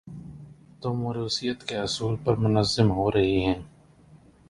تو موروثیت کے اصول پر منظم ہو رہی ہیں۔